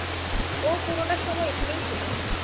ও পুরোটা সময় এখানেই ছিল।